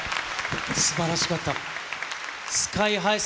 すばらしかった。